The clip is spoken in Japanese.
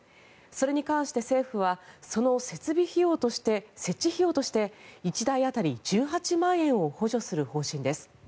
それに関して政府はその設置費用として１台当たり１８万円を補助する方針です。